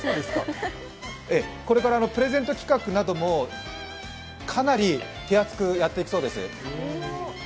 これからプレゼント企画などもかなり手厚くやっていくそうです。